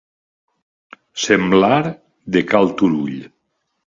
Semblar de cal Turull.